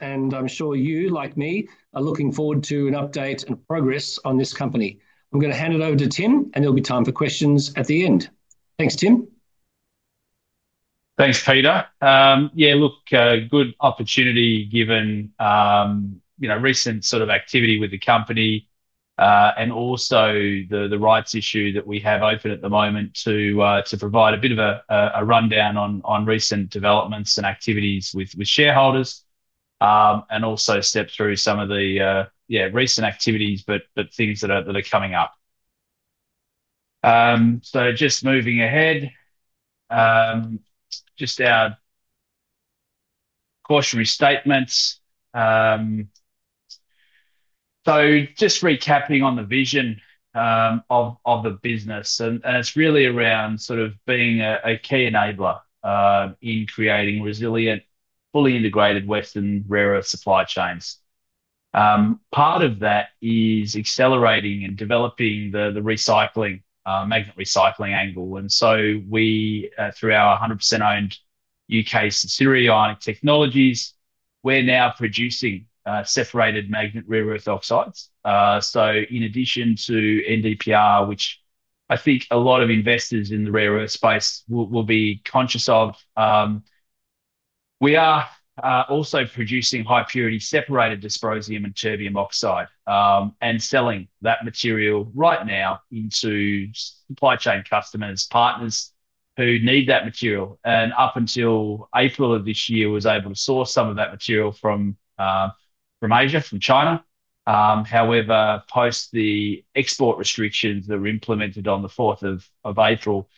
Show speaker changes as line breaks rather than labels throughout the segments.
I'm sure you, like me, are looking forward to an update and progress on this company. I'm going to hand it over to Tim, and there'll be time for questions at the end. Thanks, Tim.
Thanks, Peter. Yeah, look, good opportunity given the recent sort of activity with the company and also the rights issue that we have open at the moment to provide a bit of a rundown on recent developments and activities with shareholders, and also step through some of the recent activities, things that are coming up. Just moving ahead, our cautionary statements. Just recapping on the vision of the business, and it's really around sort of being a key enabler in creating resilient, fully integrated Western rare earth supply chains. Part of that is accelerating and developing the recycling, magnet recycling angle. We, through our 100% owned U.K. subsidiary, Ionic Technologies, are now producing separated magnet rare earth oxides. In addition to NDPR, which I think a lot of investors in the rare earth space will be conscious of, we are also producing high-purity separated dysprosium and terbium oxide and selling that material right now into supply chain customers, partners who need that material. Up until April of this year, we were able to source some of that material from Asia, from China. However, post the export restrictions that were implemented on the 4th of April,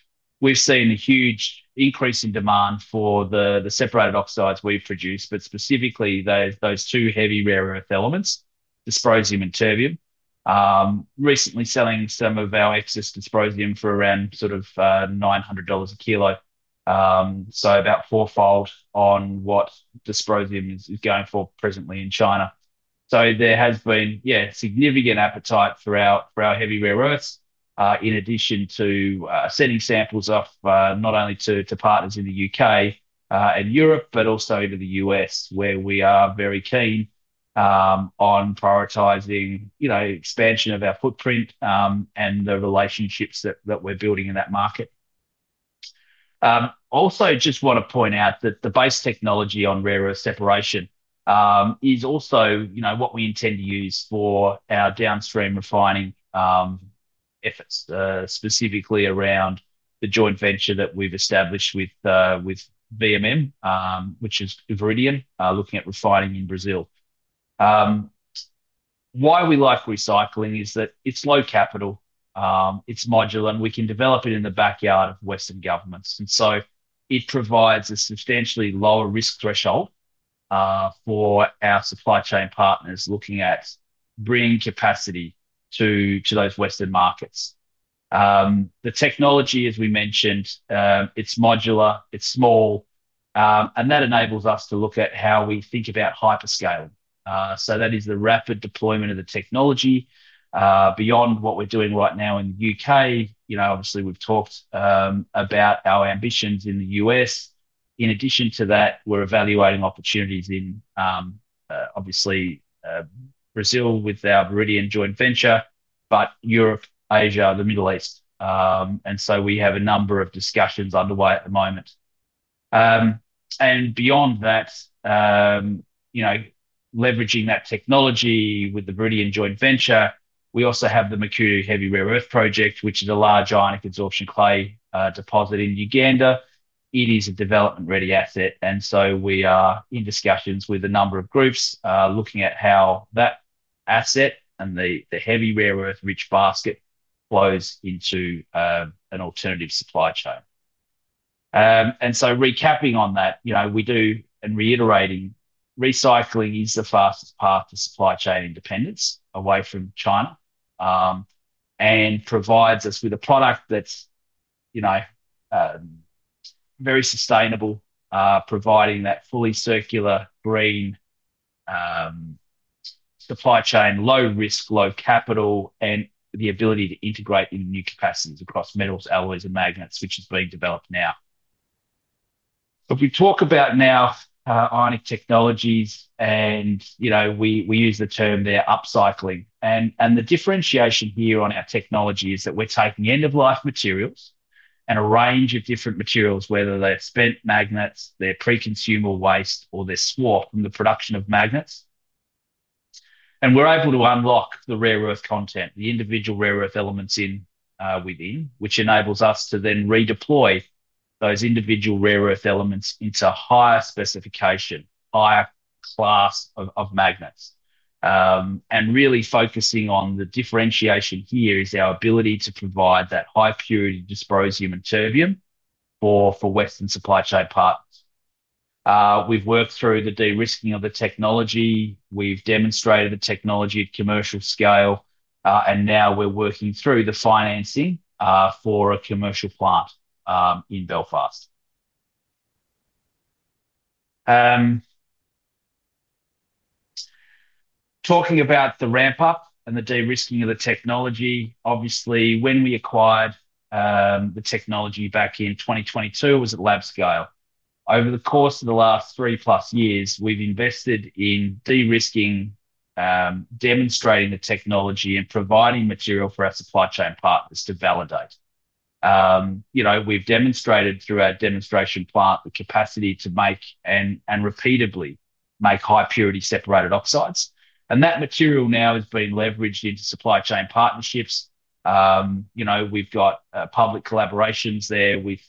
we've seen a huge increase in demand for the separated oxides we produce, specifically those two heavy rare earth elements, dysprosium and terbium, recently selling some of our excess dysprosium for around AUD 900 a kilo. About fourfold on what dysprosium is going for presently in China. There has been significant appetite for our heavy rare earths, in addition to sending samples off not only to partners in the U.K. and Europe, but also to the U.S., where we are very keen on prioritizing expansion of our footprint and the relationships that we're building in that market. I just want to point out that the base technology on rare earth separation is also what we intend to use for our downstream refining efforts, specifically around the joint venture that we've established with BMM, which is Iberian, looking at refining in Brazil. Why we like recycling is that it's low capital, it's modular, and we can develop it in the backyard of Western governments. It provides a substantially lower risk threshold for our supply chain partners looking at bringing capacity to those Western markets. The technology, as we mentioned, is modular, it's small, and that enables us to look at how we think about hyperscale. That is the rapid deployment of the technology beyond what we're doing right now in the U.K. Obviously, we've talked about our ambitions in the U.S. In addition to that, we're evaluating opportunities in Brazil with our Iberian joint venture, but Europe, Asia, the Middle East. We have a number of discussions underway at the moment. Beyond that, leveraging that technology with the Iberian joint venture, we also have the Makuutu Heavy Rare Earth project, which is a large Ionic consortium clay deposit in Uganda. It is a development-ready asset. We are in discussions with a number of groups looking at how that asset and the heavy rare earth rich basket flows into an alternative supply chain. Recapping on that, recycling is the fastest path to supply chain independence away from China and provides us with a product that's very sustainable, providing that fully circular, green supply chain, low risk, low capital, and the ability to integrate in new capacities across metals, alloys, and magnets, which is being developed now. If we talk about now Ionic Technologies and we use the term they're upcycling. The differentiation here on our technology is that we're taking end-of-life materials and a range of different materials, whether they're spent magnets, they're pre-consumer waste, or they're swarf from the production of magnets. We're able to unlock the rare earth content, the individual rare earth elements within, which enables us to then redeploy those individual rare earth elements into higher specification, higher class of magnets. Really focusing on the differentiation here is our ability to provide that high purity dysprosium and terbium for Western supply chain partners. We've worked through the de-risking of the technology. We've demonstrated the technology at commercial scale, and now we're working through the financing for a commercial plant in Belfast. Talking about the ramp-up and the de-risking of the technology, when we acquired the technology back in 2022, it was at lab scale. Over the course of the last 3+ years, we've invested in de-risking, demonstrating the technology, and providing material for our supply chain partners to validate. We've demonstrated through our demonstration plant the capacity to make and repeatedly make high purity separated oxides. That material now has been leveraged into supply chain partnerships. We've got public collaborations there with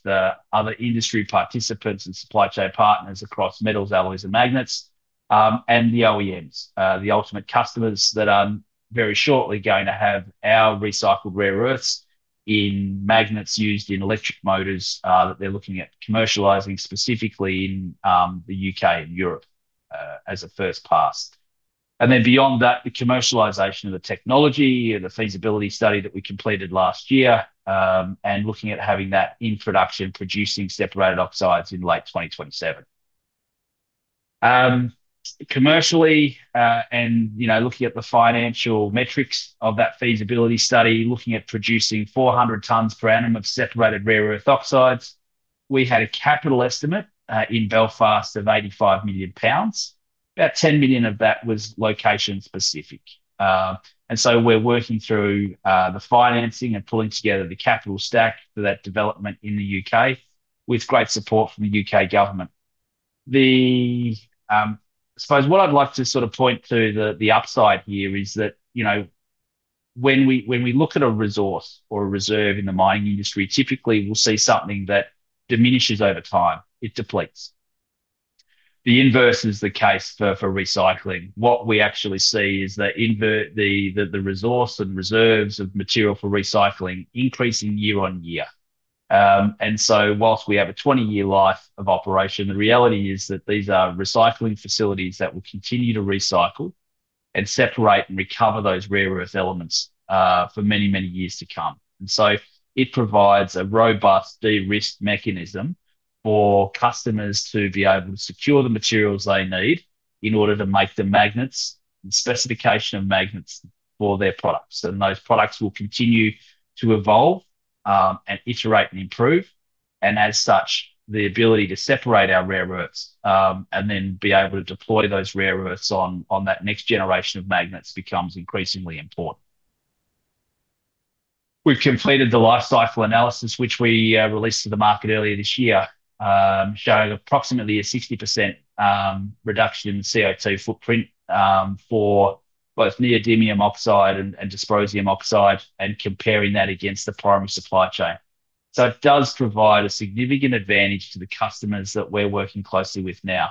other industry participants and supply chain partners across metals, alloys, and magnets, and the OEMs, the ultimate customers that are very shortly going to have our recycled rare earths in magnets used in electric motors that they're looking at commercializing specifically in the U.K. and Europe as a first pass. Beyond that, the commercialization of the technology, the feasibility study that we completed last year, and looking at having that in production, producing separated oxides in late 2027. Commercially, looking at the financial metrics of that feasibility study, looking at producing 400 tons per annum of separated rare earth oxides, we had a capital estimate in Belfast of AUD 85 million. About 10 million of that was location specific. We're working through the financing and pulling together the capital stack for that development in the U.K. with great support from the U.K. government. What I'd like to sort of point to the upside here is that when we look at a resource or a reserve in the mining industry, typically we'll see something that diminishes over time. It depletes. The inverse is the case for recycling. What we actually see is that the resource and reserves of material for recycling increase year on year. Whilst we have a 20-year life of operation, the reality is that these are recycling facilities that will continue to recycle and separate and recover those rare earth elements for many, many years to come. It provides a robust de-risk mechanism for customers to be able to secure the materials they need in order to make the magnets and specification of magnets for their products. Those products will continue to evolve and iterate and improve. As such, the ability to separate our rare earths and then be able to deploy those rare earths on that next generation of magnets becomes increasingly important. We've completed the lifecycle analysis, which we released to the market earlier this year, showing approximately a 60% reduction in CO₂ footprint for both neodymium oxide and dysprosium oxide, and comparing that against the primary supply chain. It does provide a significant advantage to the customers that we're working closely with now.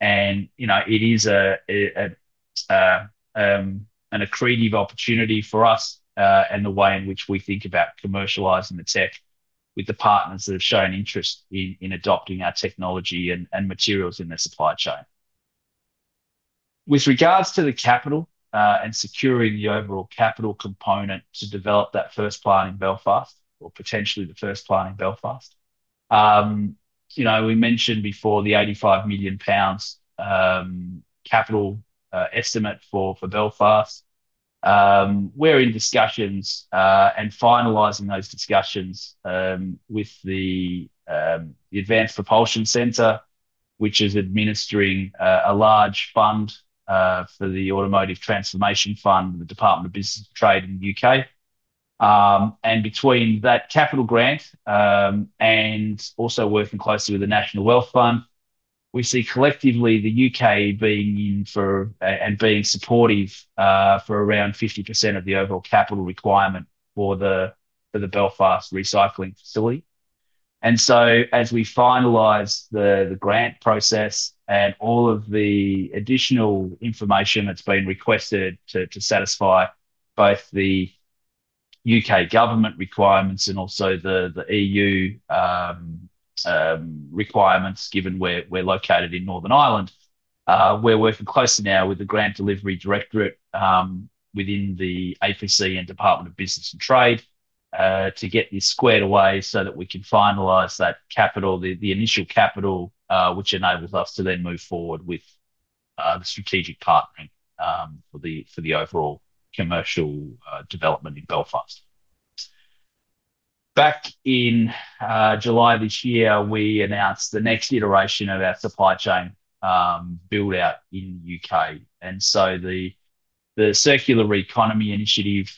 It is an accretive opportunity for us and the way in which we think about commercializing the tech with the partners that have shown interest in adopting our technology and materials in their supply chain. With regards to the capital and securing the overall capital component to develop that first plant in Belfast, or potentially the first plant in Belfast, we mentioned before the AUD 85 million capital estimate for Belfast. We're in discussions and finalizing those discussions with the Advanced Propulsion Centre, which is administering a large fund for the Automotive Transformation Fund, the Department of Business and Trade in the U.K. Between that capital grant and also working closely with the National Wealth Fund, we see collectively the U.K. being in for and being supportive for around 50% of the overall capital requirement for the Belfast recycling facility. As we finalize the grant process and all of the additional information that's been requested to satisfy both the U.K. government requirements and also the EU requirements, given where we're located in Northern Ireland, we're working closely now with the Grant Delivery Directorate within the Advanced Propulsion Centre and Department of Business and Trade to get this squared away so that we can finalize that capital, the initial capital, which enables us to then move forward with the strategic partnering for the overall commercial development in Belfast. Back in July this year, we announced the next iteration of our supply chain build-out in the U.K. The Circular Economy Initiative,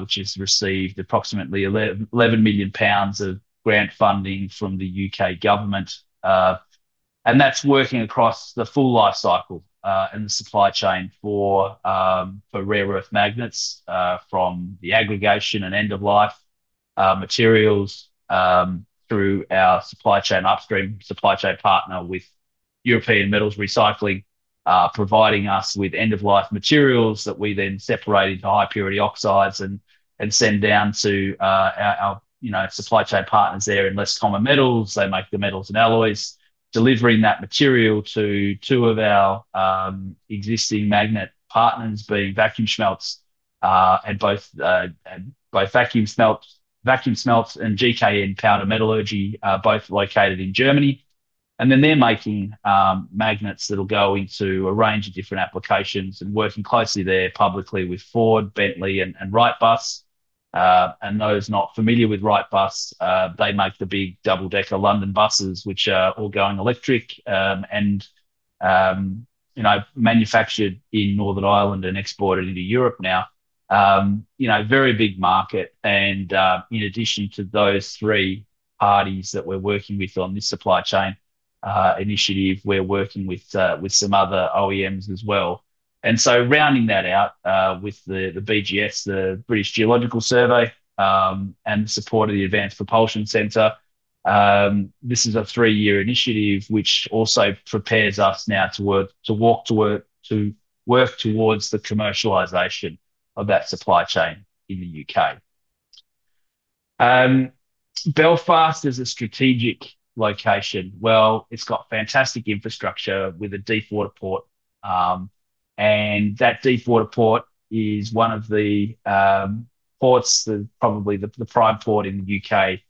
which has received approximately AUD 11 million of grant funding from the U.K. government, is working across the full lifecycle and the supply chain for rare earth magnets from the aggregation and end-of-life materials through our supply chain upstream supply chain partner with European Metals Recycling, providing us with end-of-life materials that we then separate into high-purity oxides and send down to our supply chain partners there in Less Common Metals. They make the metals and alloys, delivering that material to two of our existing magnet partners, being Vacuumschmelze and GKN Powder Metallurgy, both located in Germany. They're making magnets that will go into a range of different applications and working closely there publicly with Ford Technologies, Bentley Motors, and Wrightbus. For those not familiar with Wrightbus, they make the big double-decker London buses, which are all going electric and manufactured in Northern Ireland and exported into Europe now. It is a very big market. In addition to those three parties that we're working with on this supply chain initiative, we're working with some other OEMs as well. Rounding that out with the BGS, the British Geological Survey, and the support of the Advanced Propulsion Center, this is a three-year initiative which also prepares us now to work towards the commercialization of that supply chain in the UK. Belfast as a strategic location has fantastic infrastructure with a deepwater port. That deepwater port is one of the ports, probably the prime port in the U.K.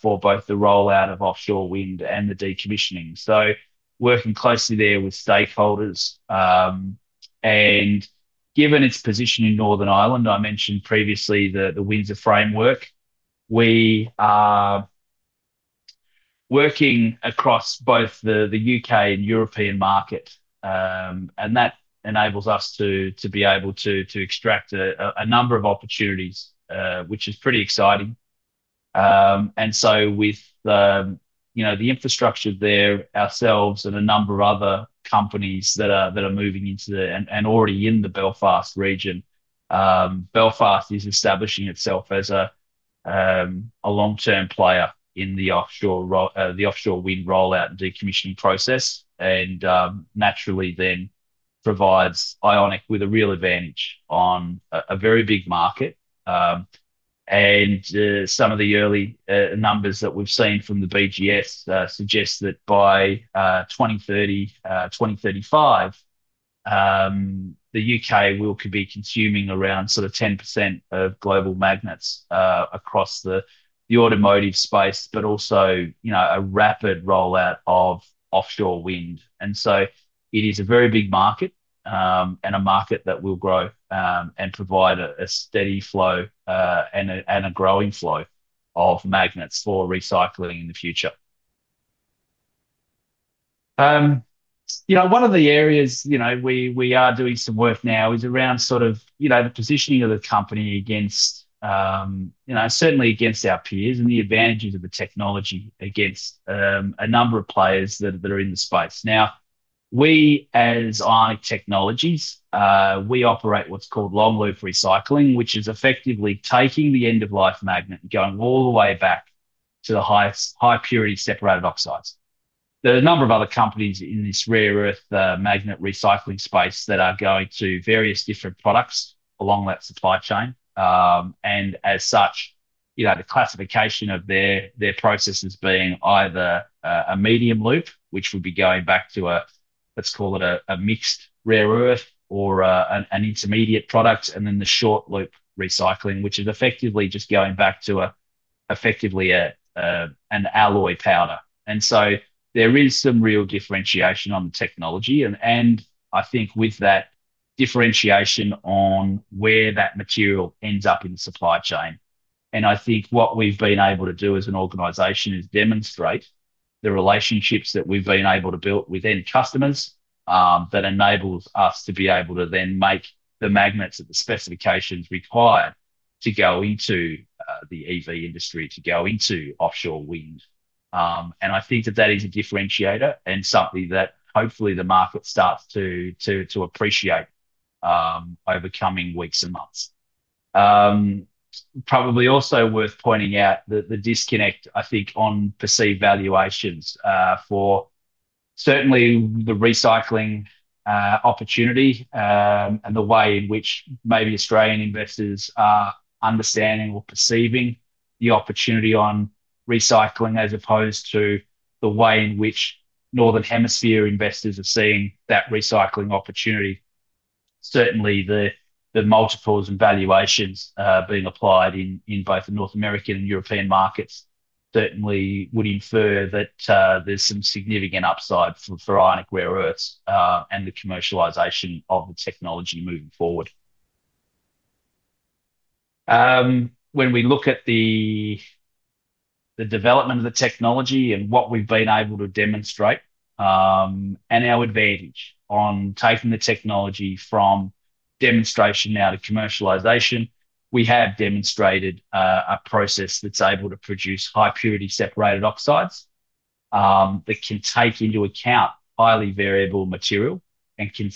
for both the rollout of offshore wind and the decommissioning. Working closely there with stakeholders and given its position in Northern Ireland, I mentioned previously the Windsor framework, we are working across both the U.K. and European market. That enables us to be able to extract a number of opportunities, which is pretty exciting. With the infrastructure there ourselves and a number of other companies that are moving into and already in the Belfast region, Belfast is establishing itself as a long-term player in the offshore wind rollout and decommissioning process and naturally then provides Ionic with a real advantage on a very big market. Some of the early numbers that we've seen from the BGS suggest that by 2030, 2035, the U.K. will be consuming around 10% of global magnets across the automotive space, but also a rapid rollout of offshore wind. It is a very big market and a market that will grow and provide a steady flow and a growing flow of magnets for recycling in the future. One of the areas we are doing some work now is around the positioning of the company against our peers and the advantages of the technology against a number of players that are in the space. We as Ionic Technologies operate what's called long-lived recycling, which is effectively taking the end-of-life magnet and going all the way back to the high-purity separated oxides. There are a number of other companies in this rare earth magnet recycling space that are going to various different products along that supply chain. The classification of their processes is being either a medium loop, which would be going back to a, let's call it a mixed rare earth or an intermediate product, and then the short loop recycling, which is effectively just going back to an alloy powder. There is some real differentiation on the technology. With that differentiation on where that material ends up in the supply chain, what we've been able to do as an organization is demonstrate the relationships that we've been able to build within customers that enable us to be able to then make the magnets at the specifications required to go into the EV industry, to go into offshore wind. That is a differentiator and something that hopefully the market starts to appreciate over coming weeks and months. It is probably also worth pointing out the disconnect, I think, on perceived valuations for certainly the recycling opportunity and the way in which maybe Australian investors are understanding or perceiving the opportunity on recycling as opposed to the way in which Northern Hemisphere investors are seeing that recycling opportunity. Certainly, the multiples and valuations being applied in both the North American and European markets would infer that there's some significant upside for Ionic Rare Earths and the commercialization of the technology moving forward. When we look at the development of the technology and what we've been able to demonstrate and our advantage on taking the technology from demonstration now to commercialization, we have demonstrated a process that's able to produce high-purity separated rare earth oxides that can take into account highly variable material and can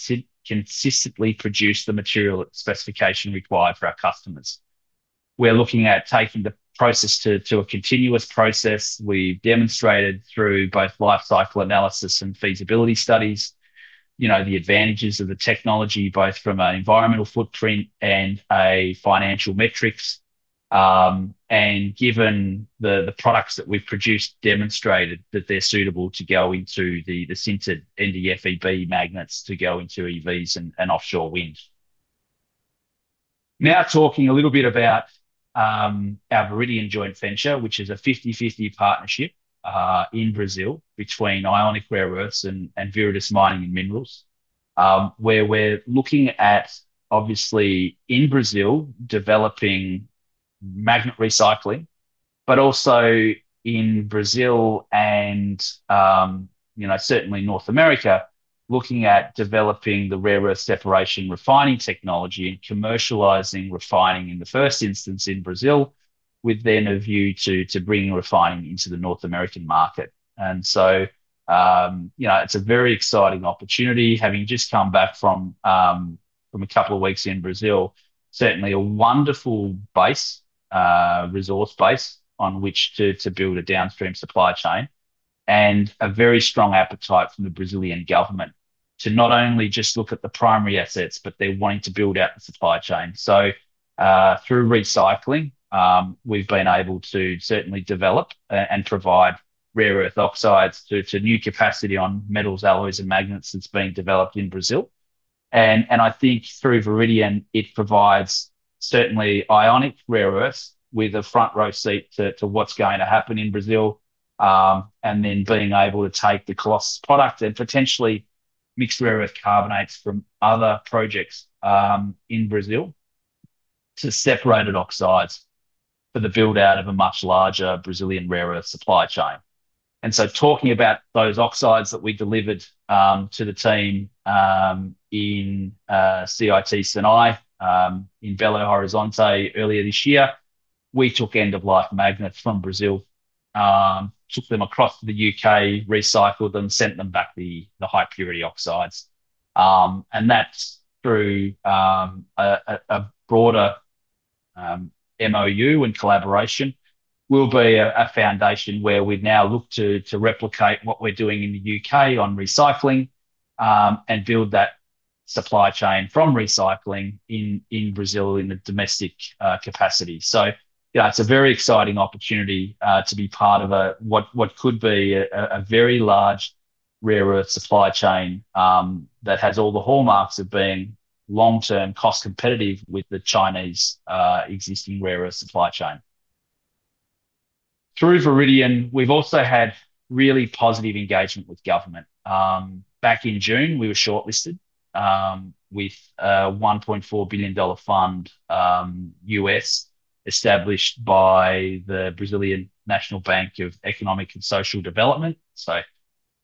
consistently produce the material specification required for our customers. We're looking at taking the process to a continuous process. We've demonstrated through both lifecycle analyses and feasibility studies the advantages of the technology, both from an environmental footprint and financial metrics. Given the products that we've produced, we've demonstrated that they're suitable to go into the sintered NdFeB magnets to go into EVs and offshore wind. Now talking a little bit about our Iberian joint venture, which is a 50/50 partnership in Brazil between Ionic Rare Earths and Viridis Mining and Minerals, where we're looking at, obviously, in Brazil developing magnet recycling, but also in Brazil and, you know, certainly North America, looking at developing the rare earth separation refining technology and commercializing refining in the first instance in Brazil, with then a view to bringing refining into the North American market. It's a very exciting opportunity, having just come back from a couple of weeks in Brazil, certainly a wonderful resource base on which to build a downstream supply chain, and a very strong appetite from the Brazilian government to not only just look at the primary assets, but they're wanting to build out the supply chain. Through recycling, we've been able to certainly develop and provide rare earth oxides to new capacity on metals, alloys, and magnets that's being developed in Brazil. I think through Iberian, it provides certainly Ionic Rare Earths with a front row seat to what's going to happen in Brazil, and then being able to take the cloth product and potentially mix rare earth carbonates from other projects in Brazil to separated oxides for the build-out of a much larger Brazilian rare earth supply chain. Talking about those oxides that we delivered to the team in CIT SENAI in Belo Horizonte earlier this year, we took end-of-life magnets from Brazil, took them across to the U.K., recycled them, sent them back the high-purity oxides. That's through a broader MOU and collaboration, which will be a foundation where we now look to replicate what we're doing in the U.K. on recycling and build that supply chain from recycling in Brazil in the domestic capacity. It's a very exciting opportunity to be part of what could be a very large rare earth supply chain that has all the hallmarks of being long-term cost competitive with the Chinese existing rare earth supply chain. Through Iberian, we've also had really positive engagement with government. Back in June, we were shortlisted with a $1.4 billion fund, U.S., established by the Brazilian National Bank of Economic and Social Development, so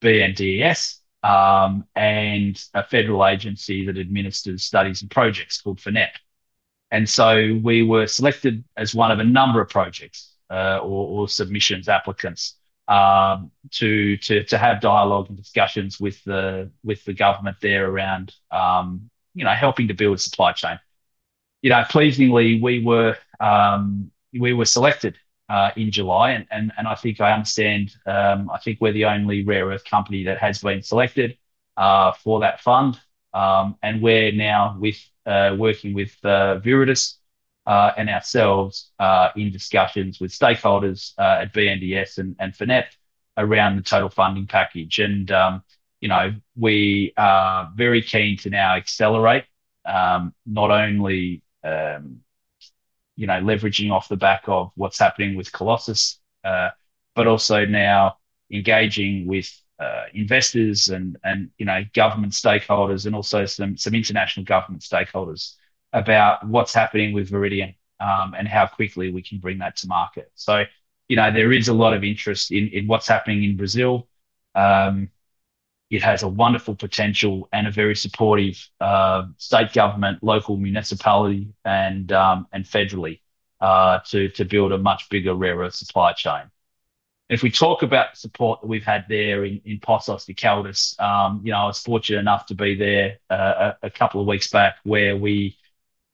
BNDES, and a federal agency that administers studies and projects called FiNet. We were selected as one of a number of projects or submissions applicants to have dialogue and discussions with the government there around helping to build a supply chain. Pleasingly, we were selected in July, and I think I understand we're the only rare earth company that has been selected for that fund, and we're now working with Viridis Mining and Minerals and ourselves in discussions with stakeholders at BNDES and FiNet around the total funding package. We are very keen to now accelerate, not only leveraging off the back of what's happening with Colossus, but also now engaging with investors and government stakeholders and also some international government stakeholders about what's happening with Iberian and how quickly we can bring that to market. There is a lot of interest in what's happening in Brazil. It has wonderful potential and a very supportive state government, local municipality, and federally to build a much bigger rare earth supply chain. If we talk about the support that we've had there in Poços de Caldas, I was fortunate enough to be there a couple of weeks back where we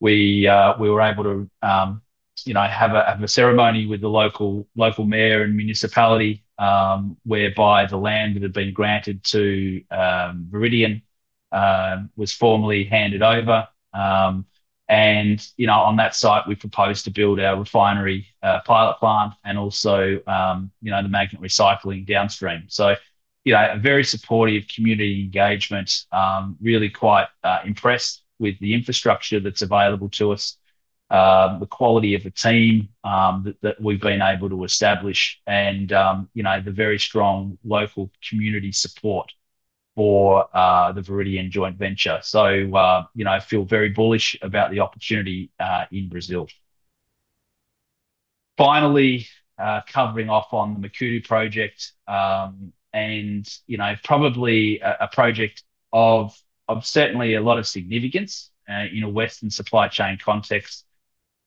were able to have a ceremony with the local mayor and municipality, whereby the land that had been granted to Iberian was formally handed over. On that site, we proposed to build our refinery pilot plant and also the magnet recycling downstream. A very supportive community engagement, really quite impressed with the infrastructure that's available to us, the quality of the team that we've been able to establish, and the very strong local community support for the Iberian joint venture. I feel very bullish about the opportunity in Brazil. Finally, covering off on the Makuutu project, it's probably a project of certainly a lot of significance in a Western supply chain context.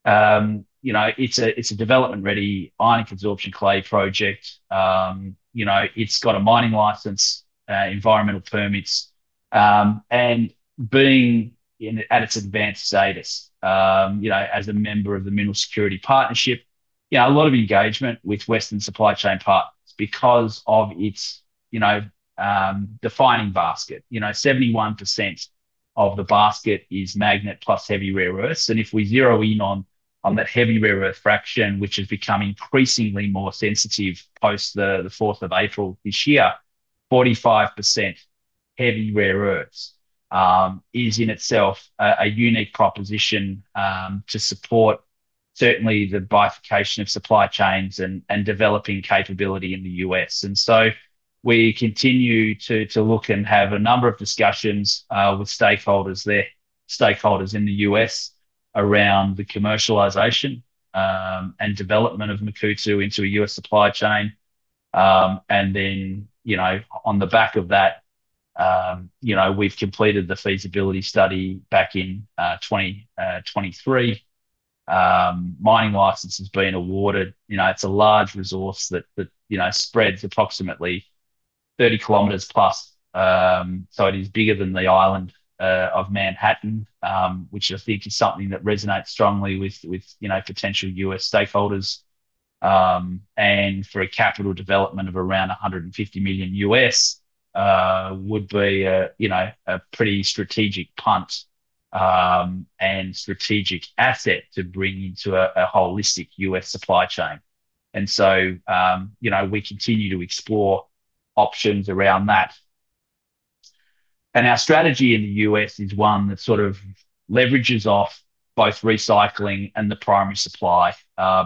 It's a development-ready Ionic consortium clay project. It's got a mining license, environmental permits, and being at its advanced status, as a member of the Mineral Security Partnership, a lot of engagement with Western supply chain partners because of its defining basket. 71% of the basket is magnet plus heavy rare earths. If we zero in on that heavy rare earth fraction, which has become increasingly more sensitive post the 4th of April this year, 45% heavy rare earths is in itself a unique proposition to support certainly the bifurcation of supply chains and developing capability in the U.S. We continue to look and have a number of discussions with stakeholders there, stakeholders in the U.S. around the commercialization and development of Makuutu into a U.S. supply chain. On the back of that, we've completed the feasibility study back in 2023. Mining license has been awarded. It's a large resource that spreads approximately 30 km+. It is bigger than the island of Manhattan, which I think is something that resonates strongly with potential U.S. stakeholders. For a capital development of around $150 million U.S., it would be a pretty strategic punt and strategic asset to bring into a holistic U.S. supply chain. We continue to explore options around that. Our strategy in the U.S. is one that leverages off both recycling and the primary supply,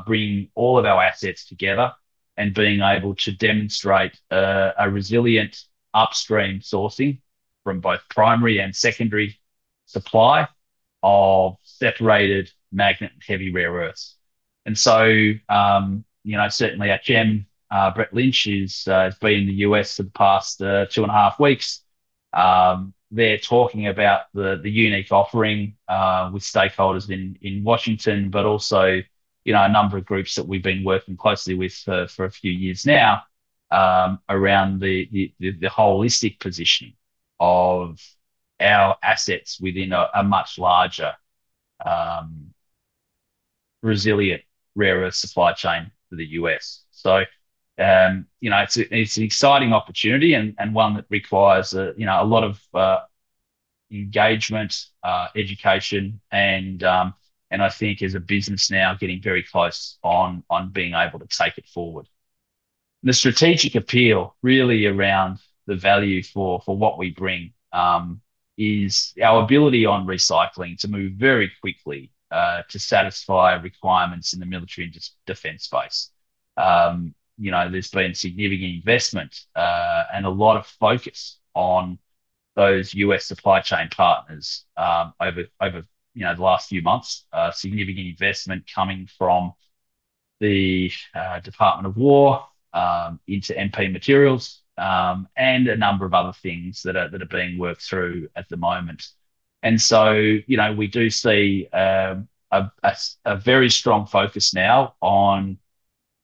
bringing all of our assets together and being able to demonstrate a resilient upstream sourcing from both primary and secondary supply of separated magnet and heavy rare earths. Certainly at GEM, Britt Lynch has been in the U.S. for the past two and a half weeks. They're talking about the unique offering with stakeholders in Washington, but also a number of groups that we've been working closely with for a few years now around the holistic positioning of our assets within a much larger resilient rare earth supply chain for the U.S. It's an exciting opportunity and one that requires a lot of engagement, education, and I think as a business now getting very close on being able to take it forward. The strategic appeal really around the value for what we bring is our ability on recycling to move very quickly to satisfy requirements in the military and defense space. There's been significant investment and a lot of focus on those U.S. supply chain partners over the last few months, significant investment coming from the Department of War into MP Materials and a number of other things that are being worked through at the moment. We do see a very strong focus now on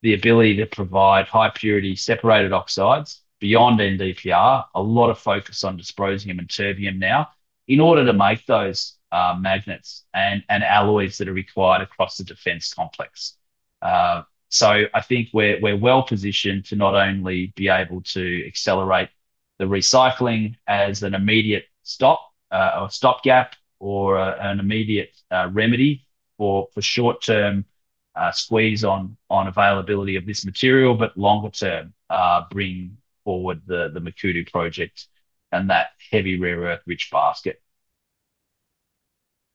the ability to provide high-purity separated rare earth oxides beyond neodymium-praseodymium, with a lot of focus on dysprosium oxide and terbium oxide now in order to make those magnets and alloys that are required across the defense complex. I think we're well positioned to not only be able to accelerate the recycling as an immediate stopgap or an immediate remedy for short-term squeeze on availability of this material, but longer-term bring forward the Makuutu project and that heavy rare earth rich basket.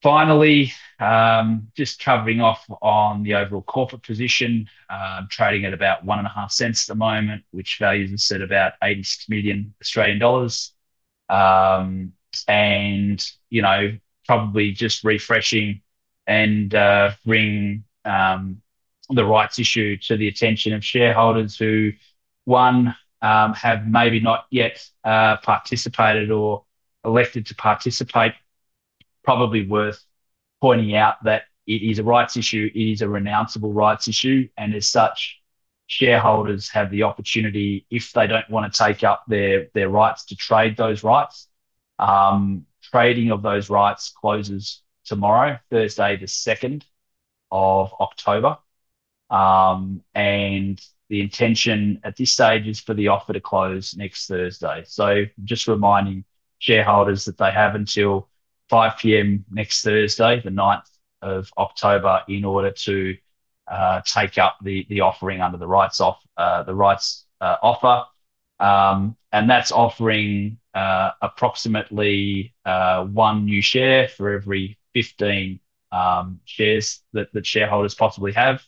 Finally, just covering off on the overall corporate position, trading at about 0.015 at the moment, which values at about 80 million Australian dollars. Probably just refreshing and bringing the rights issue to the attention of shareholders who, one, have maybe not yet participated or elected to participate. It is a rights issue. It is a renounceable rights issue, and as such, shareholders have the opportunity, if they don't want to take up their rights, to trade those rights. Trading of those rights closes tomorrow, Thursday, the 2nd of October. The intention at this stage is for the offer to close next Thursday. Just reminding shareholders that they have until 5:00 P.M. next Thursday, the 9th of October, in order to take up the offering under the rights offer. That's offering approximately one new share for every 15 shares that shareholders possibly have.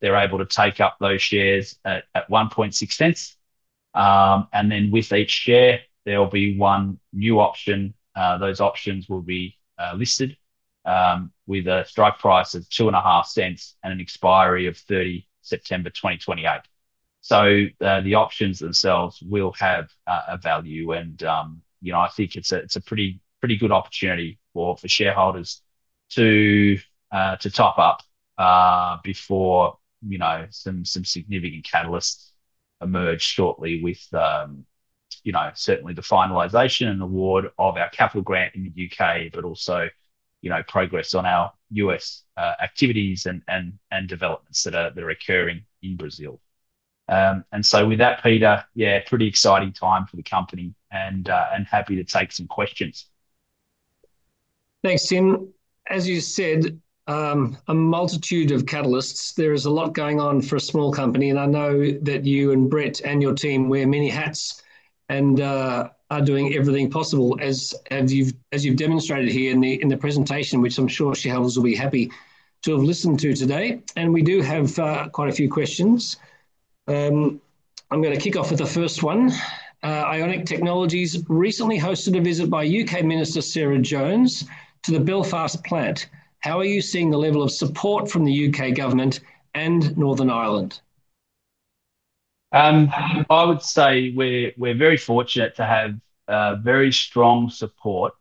They're able to take up those shares at 0.016. With each share, there will be one new listed option. Those options will be listed with a strike price of 0.025 and an expiry of 30th September 2028. The options themselves will have a value. I think it's a pretty good opportunity for shareholders to top up before some significant catalysts emerge shortly with certainly the finalization and award of our capital grant in the U.K., but also progress on our U.S. activities and developments that are occurring in Brazil. With that, Peter, pretty exciting time for the company and happy to take some questions.
Thanks, Tim. As you said, a multitude of catalysts. There is a lot going on for a small company, and I know that you and Britt and your team wear many hats and are doing everything possible, as you've demonstrated here in the presentation, which I'm sure shareholders will be happy to have listened to today. We do have quite a few questions. I'm going to kick off with the first one. Ionic Technologies recently hosted a visit by UK Minister Sarah Jones to the Belfast plant. How are you seeing the level of support from the U.K. government and Northern Ireland?
I would say we're very fortunate to have very strong support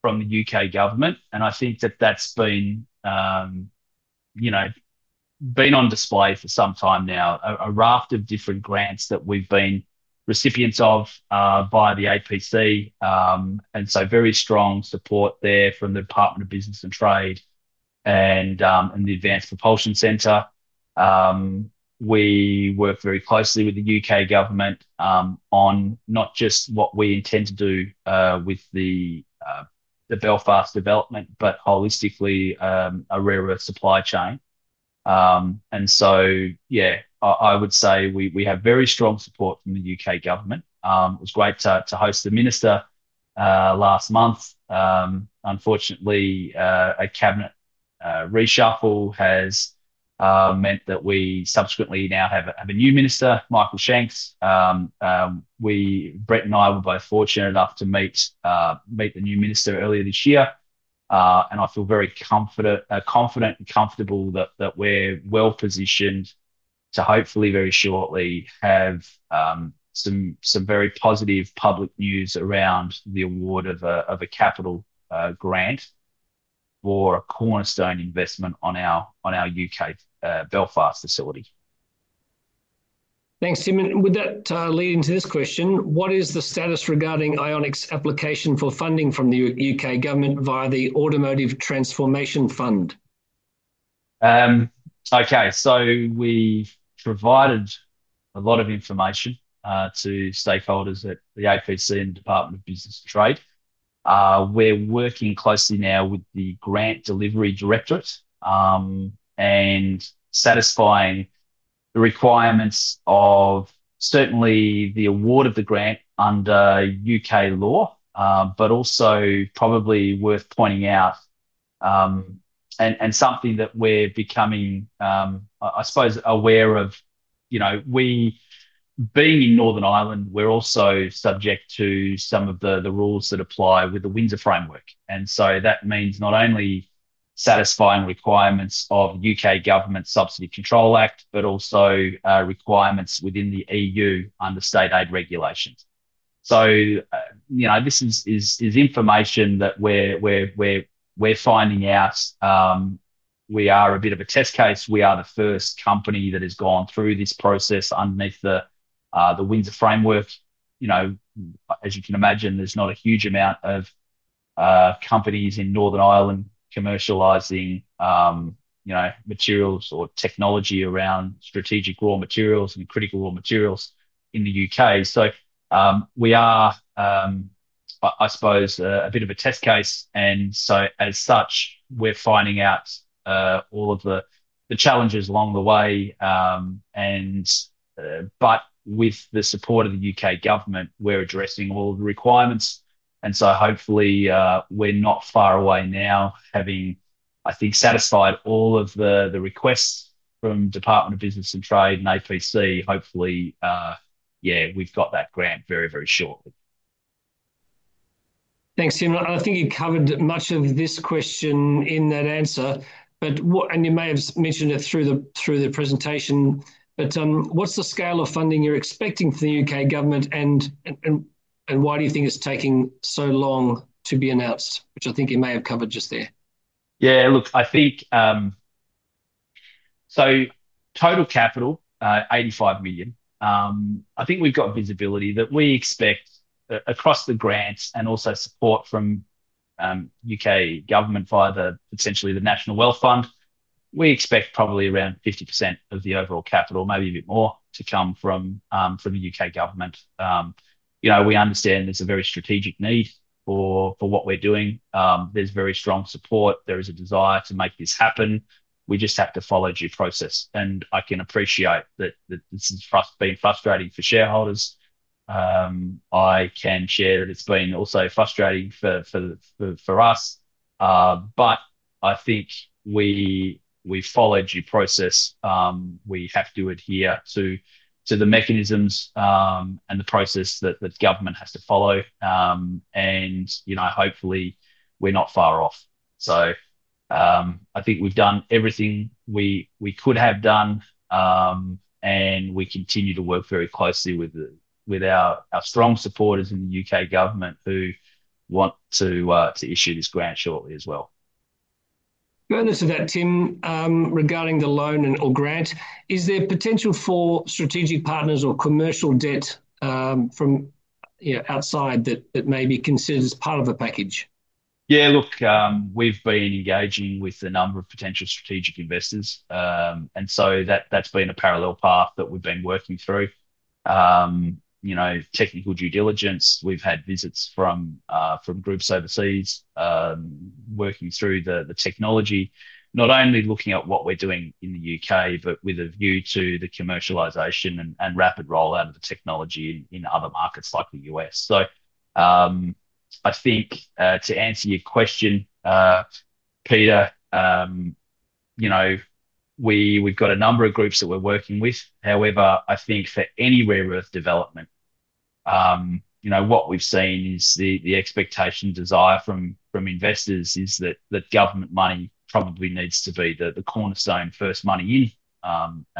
from the U.K. government, and I think that's been on display for some time now, a raft of different grants that we've been recipients of by the APC. Very strong support there from the Department of Business and Trade and the Advanced Propulsion Center. We work very closely with the U.K. government on not just what we intend to do with the Belfast development, but holistically a rare earth supply chain. I would say we have very strong support from the U.K. government. It was great to host the minister last month. Unfortunately, a cabinet reshuffle has meant that we subsequently now have a new minister, Michael Shanks. Britt and I were both fortunate enough to meet the new minister earlier this year, and I feel very confident and comfortable that we're well positioned to hopefully very shortly have some very positive public news around the award of a capital grant for a cornerstone investment on our UK Belfast facility.
Thanks, Tim. With that leading to this question, what is the status regarding Ionic's application for funding from the U.K. government via the Automotive Transformation Fund?
Okay, so we provided a lot of information to stakeholders at the APC and the Department of Business and Trade. We're working closely now with the Grant Delivery Directorate and satisfying the requirements of certainly the award of the grant under U.K. law, but also probably worth pointing out and something that we're becoming, I suppose, aware of. You know, we, being in Northern Ireland, we're also subject to some of the rules that apply with the Windsor Framework. That means not only satisfying requirements of the UK Government Subsidy Control Act, but also requirements within the EU under state aid regulations. This is information that we're finding out. We are a bit of a test case. We are the first company that has gone through this process underneath the Windsor Framework. As you can imagine, there's not a huge amount of companies in Northern Ireland commercializing materials or technology around strategic raw materials and critical raw materials in the U.K. We are, I suppose, a bit of a test case. As such, we're finding out all of the challenges along the way. With the support of the U.K. government, we're addressing all of the requirements. Hopefully, we're not far away now having, I think, satisfied all of the requests from the Department of Business and Trade and APC. Hopefully, yeah, we've got that grant very, very shortly.
Thanks, Tim. I think you covered much of this question in that answer, but what, and you may have mentioned it through the presentation, what's the scale of funding you're expecting from the U.K. government and why do you think it's taking so long to be announced, which I think you may have covered just there?
Yeah, look, I think so total capital, 85 million. I think we've got visibility that we expect across the grants and also support from U.K. government via potentially the National Wealth Fund. We expect probably around 50% of the overall capital, maybe a bit more, to come from the U.K. government. You know, we understand there's a very strategic need for what we're doing. There's very strong support. There is a desire to make this happen. We just have to follow due process. I can appreciate that this has been frustrating for shareholders. I can share that it's been also frustrating for us. I think we follow due process. We have to adhere to the mechanisms and the process that the government has to follow. You know, hopefully we're not far off. I think we've done everything we could have done. We continue to work very closely with our strong supporters in the U.K. government who want to issue this grant shortly as well.
Fairness of that, Tim, regarding the loan or grant, is there potential for strategic partners or commercial debt from outside that may be considered as part of the package?
Yeah, look, we've been engaging with a number of potential strategic investors. That's been a parallel path that we've been working through. Technical due diligence, we've had visits from groups overseas working through the technology, not only looking at what we're doing in the U.K., but with a view to the commercialization and rapid rollout of the technology in other markets like the U.S. I think to answer your question, Peter, we've got a number of groups that we're working with. However, I think for any rare earth development, what we've seen is the expectation and desire from investors is that government money probably needs to be the cornerstone first money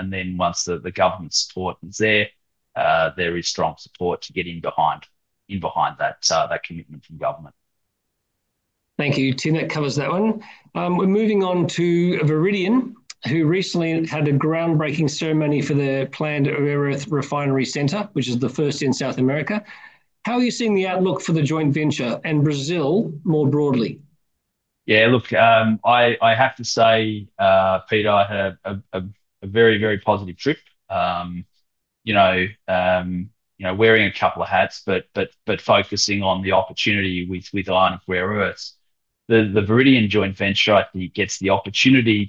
in. Once the government support is there, there is strong support to get in behind that commitment from government.
Thank you, Tim. That covers that one. We're moving on to Iberian, who recently had a groundbreaking ceremony for their planned Iberian Refinery Center, which is the first in South America. How are you seeing the outlook for the joint venture and Brazil more broadly?
Yeah, look, I have to say, Peter, I had a very, very positive trip. You know, wearing a couple of hats, but focusing on the opportunity with Ionic Rare Earths, the Iberian joint venture gets the opportunity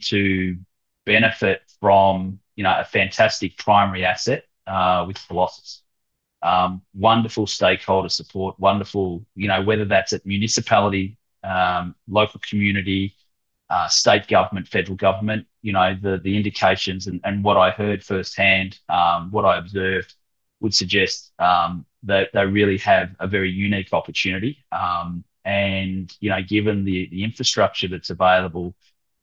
to benefit from a fantastic primary asset with Colossus. Wonderful stakeholder support, wonderful, whether that's at municipality, local community, state government, federal government, the indications and what I heard firsthand, what I observed would suggest that they really have a very unique opportunity. Given the infrastructure that's available,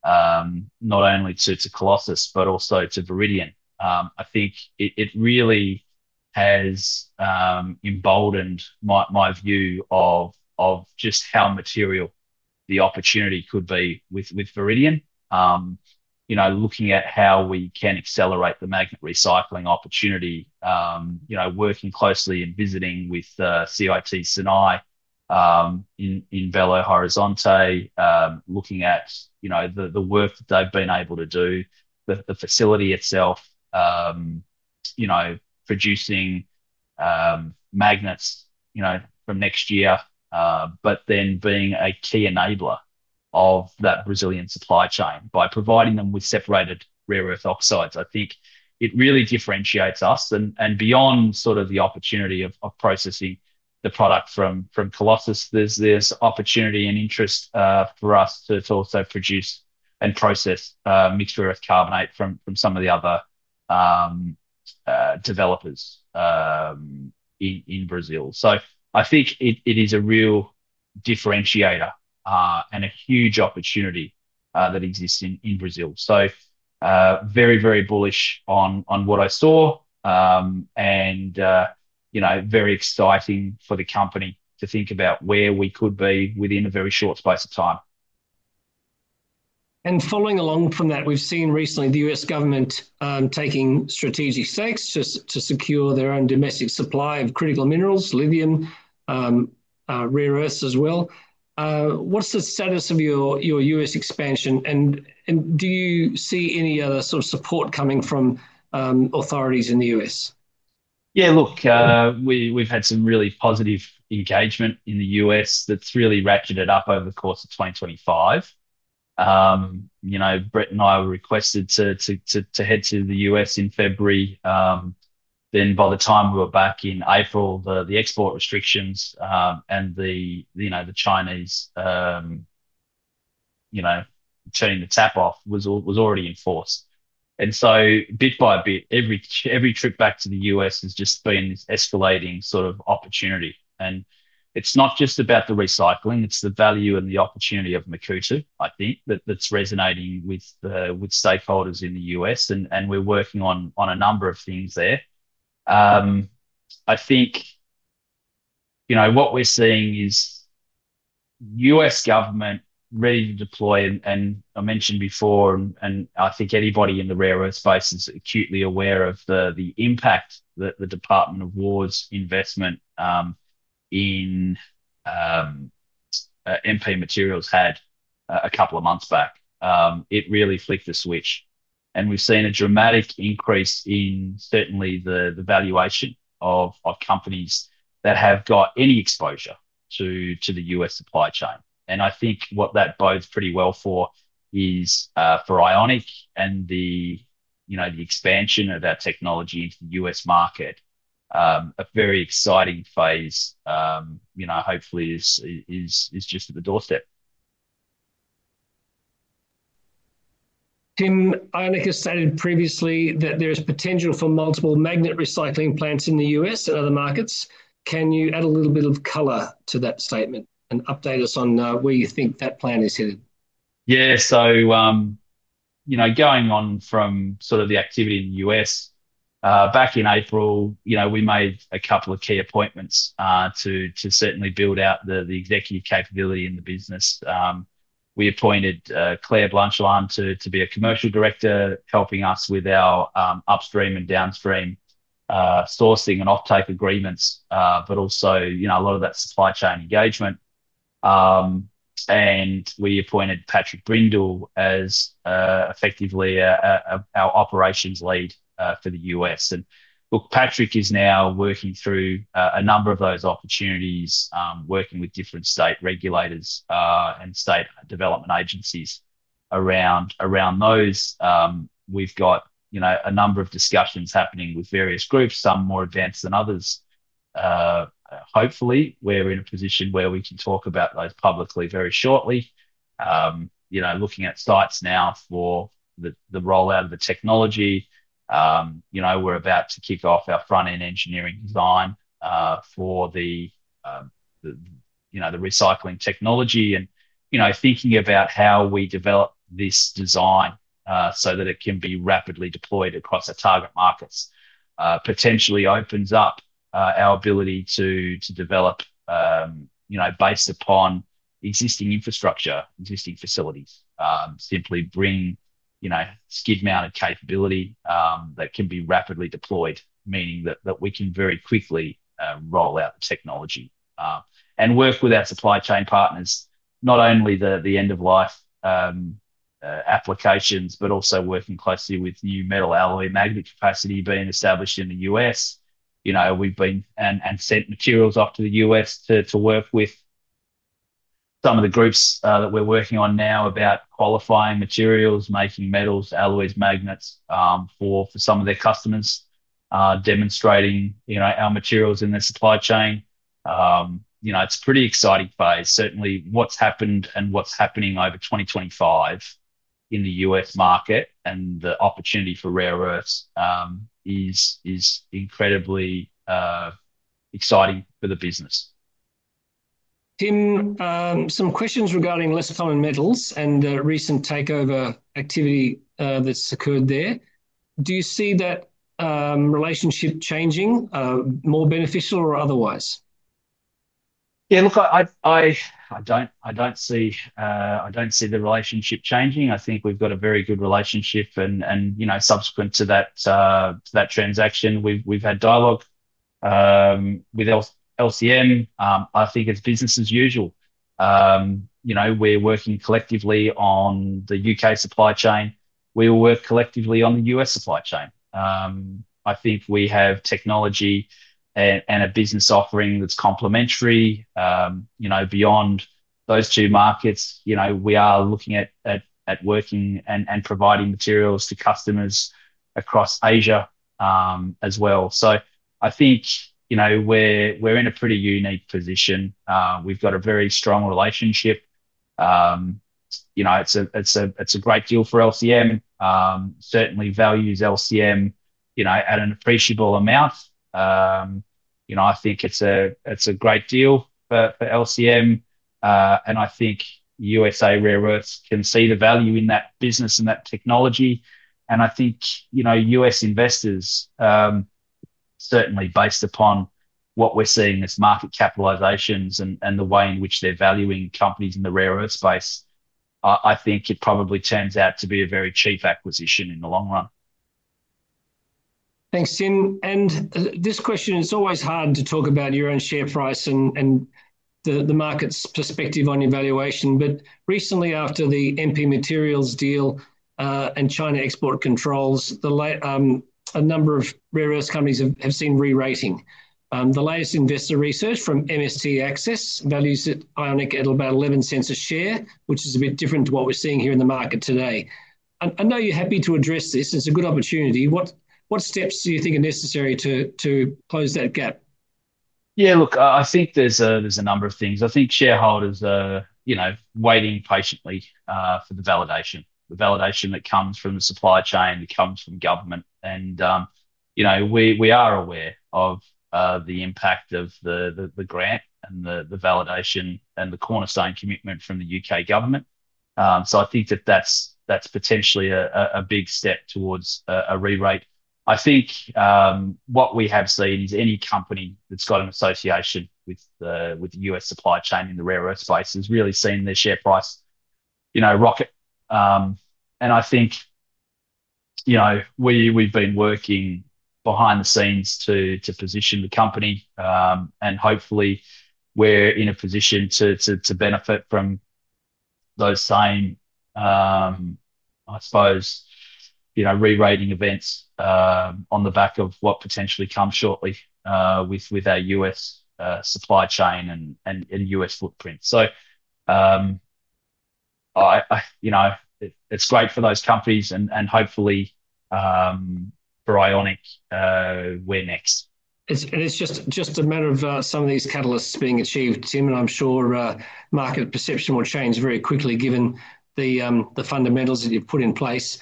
not only to Colossus, but also to Iberian, I think it really has emboldened my view of just how material the opportunity could be with Iberian. Looking at how we can accelerate the magnet recycling opportunity, working closely and visiting with CIT SENAI in Belo Horizonte, looking at the work that they've been able to do, the facility itself, producing magnets from next year, but then being a key enabler of that Brazilian supply chain by providing them with separated rare earth oxides. I think it really differentiates us. Beyond the opportunity of processing the product from Colossus, there's this opportunity and interest for us to also produce and process mixture of carbonate from some of the other developers in Brazil. I think it is a real differentiator and a huge opportunity that exists in Brazil. Very, very bullish on what I saw and very exciting for the company to think about where we could be within a very short space of time.
Following along from that, we've seen recently the U.S. government taking strategic steps to secure their own domestic supply of critical minerals, lithium, rare earths as well. What's the status of your U.S. expansion? Do you see any other sort of support coming from authorities in the U.S.?
Yeah, look, we've had some really positive engagement in the U.S. that's really ratcheted up over the course of 2025. You know, Britt and I were requested to head to the U.S. in February. By the time we were back in April, the export restrictions and the Chinese turning the tap off was already in force. Bit by bit, every trip back to the U.S. has just been escalating sort of opportunity. It's not just about the recycling. It's the value and the opportunity of Makuutu, I think, that's resonating with stakeholders in the U.S. We're working on a number of things there. I think what we're seeing is U.S. government ready to deploy. I mentioned before, and I think anybody in the rare earth space is acutely aware of the impact that the Department of War's investment in MP Materials had a couple of months back. It really flipped the switch. We've seen a dramatic increase in certainly the valuation of companies that have got any exposure to the U.S. supply chain. I think what that bodes pretty well for is for Ionic and the, you know, the expansion of that technology into the U.S. market, a very exciting phase, hopefully is just at the doorstep.
Tim, Ionic has stated previously that there is a potential for multiple magnet recycling plants in the U.S. and other markets. Can you add a little bit of color to that statement and update us on where you think that plan is headed?
Yeah, going on from the activity in the U.S., back in April, we made a couple of key appointments to certainly build out the executive capability in the business. We appointed Claire Blanchard to be Commercial Director, helping us with our upstream and downstream sourcing and offtake agreements, but also a lot of that supply chain engagement. We appointed Patrick Brindle as effectively our operations lead for the U.S. Patrick is now working through a number of those opportunities, working with different state regulators and state development agencies around those. We've got a number of discussions happening with various groups, some more advanced than others. Hopefully, we're in a position where we can talk about those publicly very shortly. Looking at sites now for the rollout of the technology, we're about to kick off our front-end engineering design for the recycling technology. Thinking about how we develop this design so that it can be rapidly deployed across our target markets potentially opens up our ability to develop based upon existing infrastructure, existing facilities, simply bring skid-mounted capability that can be rapidly deployed, meaning that we can very quickly roll out the technology and work with our supply chain partners, not only the end-of-life applications, but also working closely with new metal alloy magnet capacity being established in the U.S. We've been and sent materials off to the U.S. to work with some of the groups that we're working on now about qualifying materials, making metals, alloys, magnets for some of their customers, demonstrating our materials in the supply chain. It's a pretty exciting phase. Certainly, what's happened and what's happening over 2025 in the U.S. market and the opportunity for rare earths is incredibly exciting for the business.
Tim, some questions regarding Less Common Metals and the recent takeover activity that's occurred there. Do you see that relationship changing, more beneficial or otherwise?
Yeah, look, I don't see the relationship changing. I think we've got a very good relationship. Subsequent to that transaction, we've had dialogue with LCM. I think it's business as usual. We're working collectively on the U.K. supply chain. We will work collectively on the U.S. supply chain. I think we have technology and a business offering that's complementary beyond those two markets. We are looking at working and providing materials to customers across Asia as well. I think we're in a pretty unique position. We've got a very strong relationship. It's a great deal for LCM It certainly values LCM at an appreciable amount. I think it's a great deal for LCM. I think USA Rare Earths can see the value in that business and that technology. I think U.S. investors, certainly based upon what we're seeing as market capitalizations and the way in which they're valuing companies in the rare earth space, it probably turns out to be a very cheap acquisition in the long run.
Thanks, Tim. This question is always hard to talk about, your own share price and the market's perspective on evaluation. Recently, after the MP Materials deal and China export controls, a number of rare earth companies have seen re-rating. The latest investor research from MSC Access values Ionic at about 0.11 a share, which is a bit different to what we're seeing here in the market today. I know you're happy to address this. It's a good opportunity. What steps do you think are necessary to close that gap?
Yeah, look, I think there's a number of things. I think shareholders are waiting patiently for the validation, the validation that comes from the supply chain, that comes from government. We are aware of the impact of the grant and the validation and the cornerstone commitment from the U.K. government. I think that that's potentially a big step towards a re-rate. I think what we have seen is any company that's got an association with the U.S. supply chain in the rare earth space has really seen their share price rocket. I think we've been working behind the scenes to position the company. Hopefully, we're in a position to benefit from those same, I suppose, re-rating events on the back of what potentially comes shortly with our U.S. supply chain and U.S. footprint. It's great for those companies and hopefully for Ionic where next.
It is just a matter of some of these catalysts being achieved, Tim, and I'm sure market perception will change very quickly given the fundamentals that you've put in place.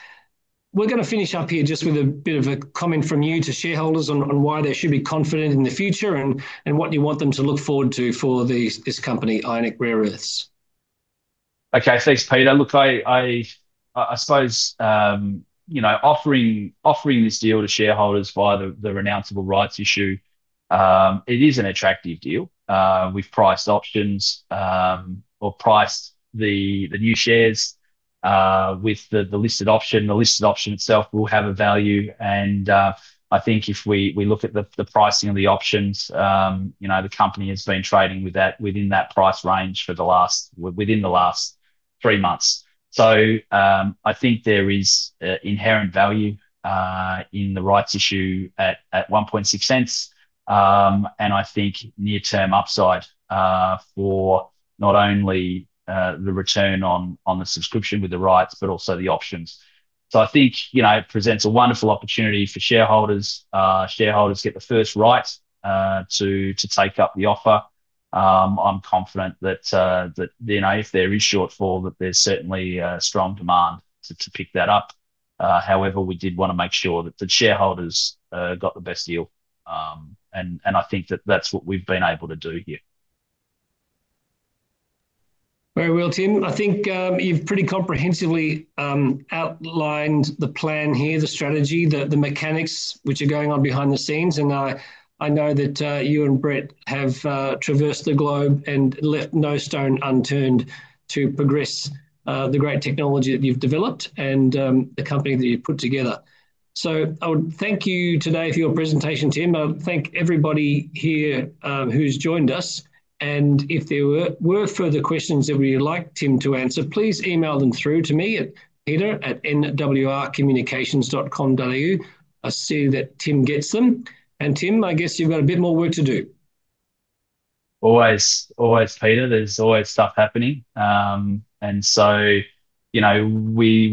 We're going to finish up here just with a bit of a comment from you to shareholders on why they should be confident in the future and what you want them to look forward to for this company, Ionic Rare Earths.
Okay, thanks, Peter. Look, I suppose, you know, offering this deal to shareholders via the renounceable rights issue, it is an attractive deal. We've priced options or priced the new shares with the listed option. The listed option itself will have a value. I think if we look at the pricing of the options, the company has been trading within that price range within the last three months. I think there is inherent value in the rights issue at 0.016. I think near-term upside for not only the return on the subscription with the rights, but also the options. I think it presents a wonderful opportunity for shareholders. Shareholders get the first right to take up the offer. I'm confident that if they're issued for, that there's certainly strong demand to pick that up. We did want to make sure that the shareholders got the best deal. I think that that's what we've been able to do here.
Very well, Tim. I think you've pretty comprehensively outlined the plan here, the strategy, the mechanics which are going on behind the scenes. I know that you and Britt have traversed the globe and left no stone unturned to progress the great technology that you've developed and the company that you've put together. I would thank you today for your presentation, Tim. I thank everybody here who's joined us. If there were further questions that we'd like Tim to answer, please email them through to me at peter@nwrcommunications.com.au. I see that Tim gets them. Tim, I guess you've got a bit more work to do.
Always, always, Peter. There's always stuff happening. We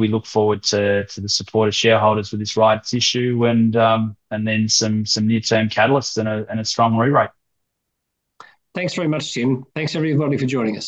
look forward to the support of shareholders with this rights issue and then some near-term catalysts and a strong re-rate.
Thanks very much, Tim. Thanks everybody for joining us.